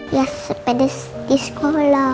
ya sepeda di sekolah